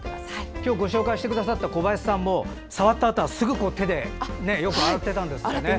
今日ご紹介してくださった小林さんも触ったあとはすぐ手を洗っていたんですってね。